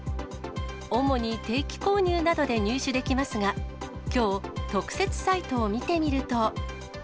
主に、定期購入などで入手できますが、きょう、特設サイトを見てみると。